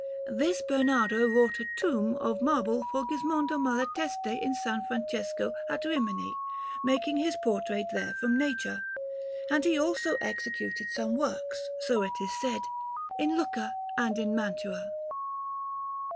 This Bernardo wrought a tomb of marble for Gismondo Malatesti in S. Francesco at Rimini, making his portrait there from nature; and he also executed some works, so it is said, in Lucca and in Mantua.